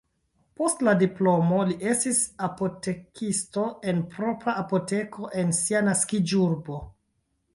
Post la diplomo li estis apotekisto en propra apoteko en sia naskiĝurbo.